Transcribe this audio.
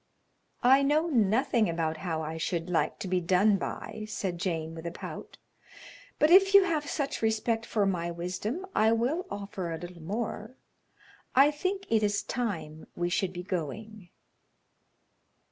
"I know nothing about how I should like to be done by," said Jane, with a pout, "but if you have such respect for my wisdom I will offer a little more; I think it is time we should be going."